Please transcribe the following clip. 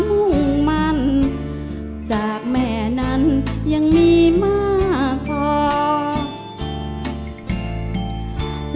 มุ่งมั่นจากแม่นั้นยังมีมากพอ